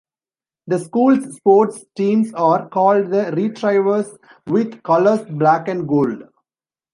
The school's sports teams are called the Retrievers, with colors black and gold.